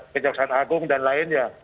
kejaksaan agung dan lainnya